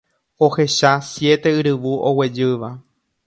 Ohecha siete yryvu oguejýva.